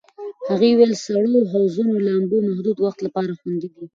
هغې وویل د سړو حوضونو لامبو محدود وخت لپاره خوندي دی.